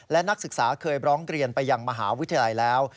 และนักศึกษาเคยร้องเรียนไปยังมหาวิทยาลัยแล้ว